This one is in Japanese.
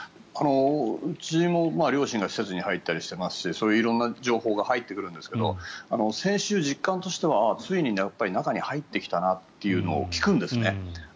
うちも両親が施設に入ったりしてますし色んな情報が入ってくるんですが先週、実感としてはついに中に入ってきたなというのを聞くんですね。